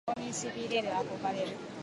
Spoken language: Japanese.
そこに痺れる憧れる